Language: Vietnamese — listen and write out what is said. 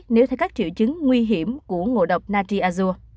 nếu thấy các triệu chứng nguy hiểm của ngộ độc natriazur